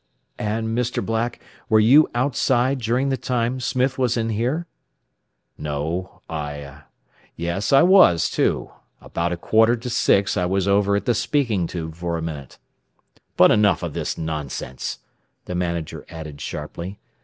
"And Mr. Black, were you outside during the time Smith was in here?" "No, I Yes, I was, too. About a quarter to six I was over at the speaking tube for a minute. "But enough of this nonsense," the manager added sharply.